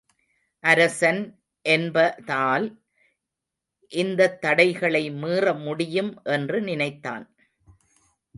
அரசன் என்ப– தால் இந்தத்தடைகளை மீற முடியும் என்று நினைத்தான்.